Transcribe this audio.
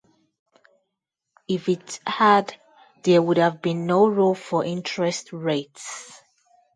If it had, there would have been no role for interest rates.